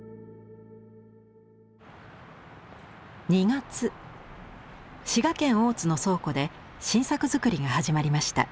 ２月滋賀県大津の倉庫で新作づくりが始まりました。